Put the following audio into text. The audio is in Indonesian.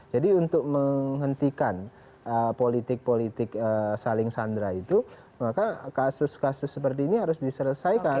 jadi untuk menghentikan politik politik saling sandra itu maka kasus kasus seperti ini harus diselesaikan